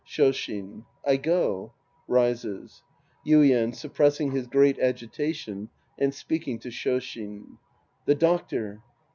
Shoshin. I go. (Rises.) Yuien {suppressing his great agitation and speaking to Shoshin). The doctor.